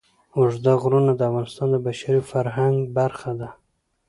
اوږده غرونه د افغانستان د بشري فرهنګ برخه ده.